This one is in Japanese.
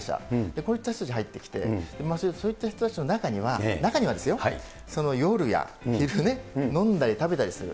こういった人たち入ってきて、そういった人たちの中には、中にはですよ、その夜や昼ね、飲んだり食べたりする。